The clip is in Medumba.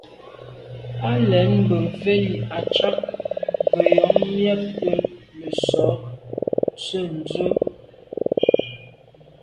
Á lɛ̀ɛ́n mbə̄ mvɛ́lì à’cák gə̀jɔ̀ɔ́ŋ mjɛ́ɛ̀’də̄ nə̀sɔ̀ɔ́k tsə̂ ndzwə́.